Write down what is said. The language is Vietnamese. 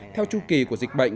theo chu kỳ của dịch bệnh